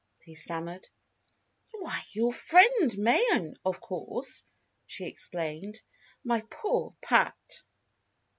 he stammered. "Why, your friend Mayen, of course!" she explained. "My poor Pat!"